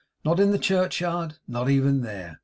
Not in the churchyard? Not even there.